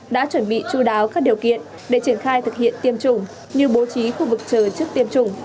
đã chuẩn bị chú đáo các điều kiện để triển khai thực hiện tiêm chủng như bố trí khu vực chờ trước tiêm chủng